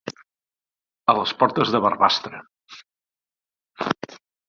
A les portes de Barbastre.